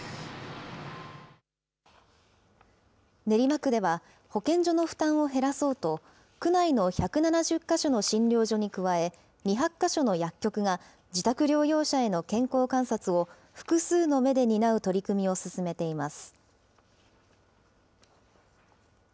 練馬区では、保健所の負担を減らそうと、区内の１７０か所の診療所に加え、２００か所の薬局が自宅療養者への健康観察を、複数の目で担う取り組みを進めています。